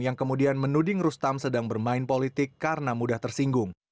yang kemudian menuding rustam sedang bermain politik karena mudah tersinggung